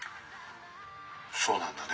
「そうなんだね